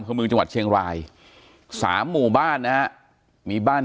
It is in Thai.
เมืองจังหวัดเชียงราย๓หมู่บ้านนะฮะมีบ้าน